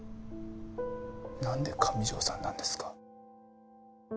なんで上條さんなんですか。